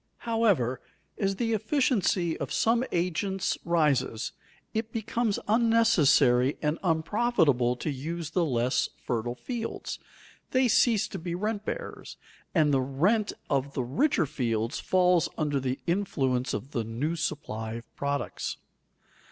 However, as the efficiency of some agents rises, it becomes unnecessary and unprofitable to use the less fertile fields; they cease to be rent bearers, and the rent of the richer fields falls under the influence of the new supply of products.